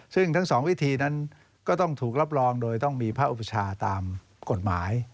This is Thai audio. ซึ่งทั้งสองวิธีนั้นก็ต้องถูกรับรองโดยต้องมีพระอุปชาตามกฎหมาย